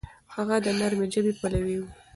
هغه د نرمې ژبې پلوی و.